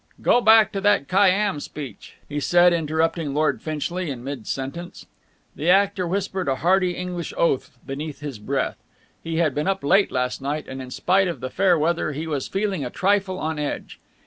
"Go back to that Khayyám speech!" he said interrupting Lord Finchley in mid sentence. The actor whispered a hearty English oath beneath his breath. He had been up late last night, and, in spite of the fair weather, he was feeling a trifle on edge.